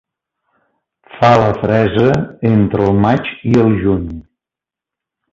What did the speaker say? Fa la fresa entre el maig i el juny.